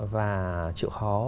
và chịu khó